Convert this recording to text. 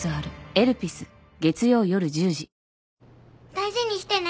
大事にしてね。